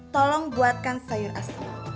tolong buatkan sayur asli